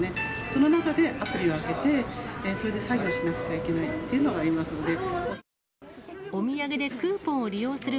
その中でアプリを開けて、それで作業しなくちゃいけないっていうのがありますので。